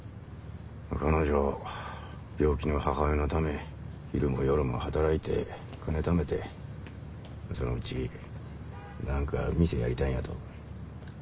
彼女病気の母親のため昼も夜も働いて金貯めてそのうち何か店やりたいんやと。